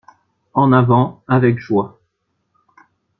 En avant avec joie